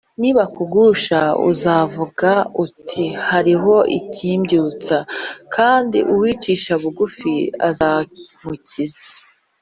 nibakugusha uzavuga uti’ hariho ikimbyutsa’ kandi uwicisha bugufi izamukiza,